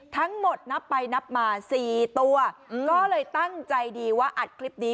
ทั้งหมดนับไปนับมา๔ตัวก็เลยตั้งใจดีว่าอัดคลิปนี้